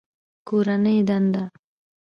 کورنۍ دنده